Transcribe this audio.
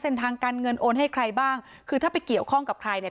เส้นทางการเงินโอนให้ใครบ้างคือถ้าไปเกี่ยวข้องกับใครเนี่ย